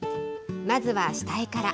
まずは下絵から。